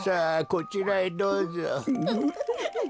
こちらへどうぞ。